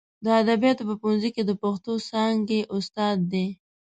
د ادبیاتو په پوهنځي کې د پښتو څانګې استاد دی.